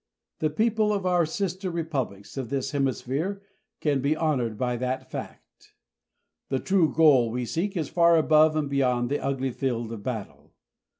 The people of our sister Republics of this Hemisphere can be honored by that fact. The true goal we seek is far above and beyond the ugly field of battle.